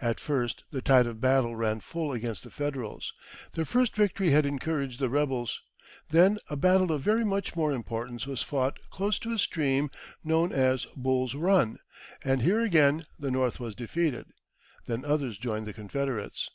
At first the tide of battle ran full against the Federals. Their first victory had encouraged the rebels. Then a battle of very much more importance was fought close to a stream known as Bull's Run, and here again the North was defeated. Then others joined the Confederates.